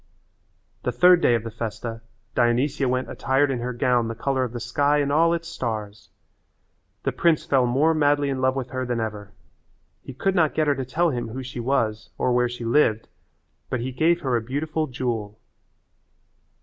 The third day of the festa Dionysia went attired in her gown the colour of the sky and all its stars. The prince fell more madly in love with her than ever. He could not get her to tell him who she was or where she lived but he gave her a beautiful jewel.